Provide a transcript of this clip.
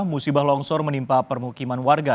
musibah longsor menimpa permukiman warga